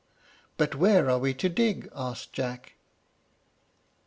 "But where are we to dig?" asked Jack.